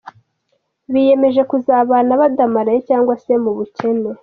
Biyemeje kuzabana badamaraye cyangwa se mu bukene.